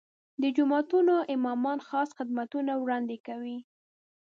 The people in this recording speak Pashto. د جوماتونو امامان خاص خدمتونه وړاندې کوي.